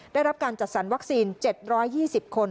ได้รับการจัดสรรวัคซีน๗๒๐คน